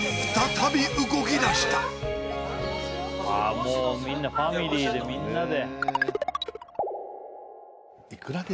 もうみんなファミリーでみんなで。